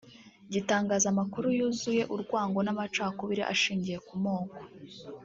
gitangaza amakuru yuzuye urwango n’amacakubiri ashingiye ku moko